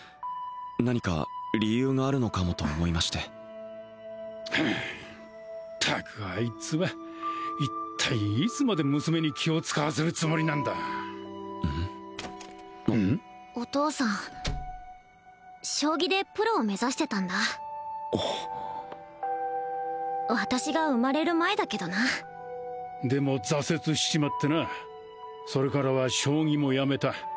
何か理由があるのかもと思いましてふうったくあいつは一体いつまで娘に気を使わせるつもりなんだお父さん将棋でプロを目指してたんだ私が生まれる前だけどなでも挫折しちまってなそれからは将棋もやめた